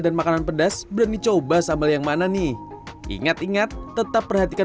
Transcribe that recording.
dan makanan pedas berani coba sambal yang mana nih ingat ingat tetap perhatikan